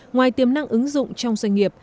ngoài tiềm năng ứng dụng trong doanh nghiệp